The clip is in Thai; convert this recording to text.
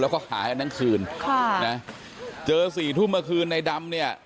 แล้วก็หากันทั้งคืนค่ะนะเจอสี่ทุ่มเมื่อคืนในดำเนี่ย